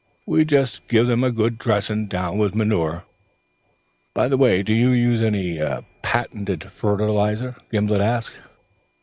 "We just gie them a good dressin' doon wie manure ilka year." "Do you use any patent fertilizer?" Gimblet asked.